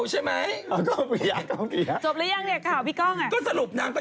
หนังท่าร์นัทเอ